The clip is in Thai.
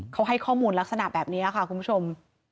เขาให้ข้อมูลลักษณะแบบนี้ค่ะคุณผู้ชม